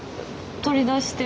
取り出して？